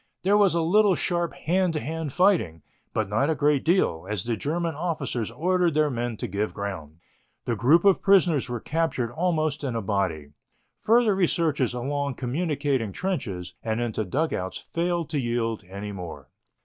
There was a little sharp hand to hand fighting, but not a great deal, as the German officers ordered their men to give ground. The group of prisoners were captured almost in a body. Further researches along communicating trenches and into dugouts failed to yield any more.